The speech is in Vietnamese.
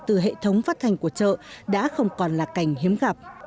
từ hệ thống phát thanh của chợ đã không còn là cảnh hiếm gặp